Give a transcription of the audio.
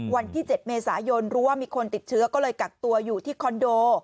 วันที่๗เมษายนรู้ว่ามีคนติดเชื้อก็เลยกักตัวอยู่ที่คอนโด